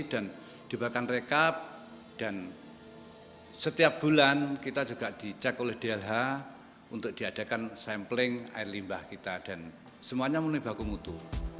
dan dibahkan rekap dan setiap bulan kita juga dicek oleh dlh untuk diadakan sampling air limbah kita dan semuanya menunjukkan baku mutu